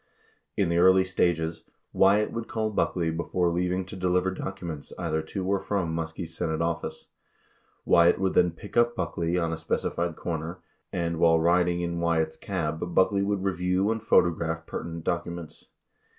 In the early stages, Wyatt would call Buckley before leaving to deliver documents either to or from Muskie's Senate office. Wyatt would then pick up Buckley on a specified comer and, while riding in Wyatt's cab, Buckley would review and photograph pertinent documents.